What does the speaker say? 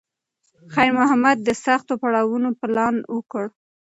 خیر محمد د سختو پړاوونو پلان وکړ.